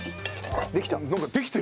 できた。